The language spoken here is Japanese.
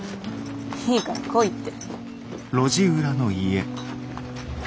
いいから来いって。